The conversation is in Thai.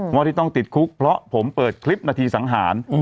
ว่าที่ต้องติดคุกเพราะผมเปิดคลิปนาทีสังหาร